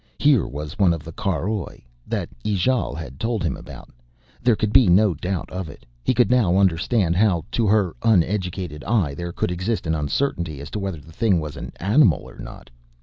Here was one of the caroj that Ijale had told him about: there could be no doubt of it. He could now understand how, to her uneducated eye, there could exist an uncertainty as to whether the thing was an animal or not.